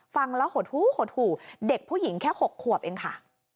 ฟังแล้วหดหูหดหู่เด็กผู้หญิงแค่๖ขวบเองค่ะ